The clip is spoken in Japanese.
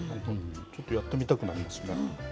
ちょっとやってみたくなりますね。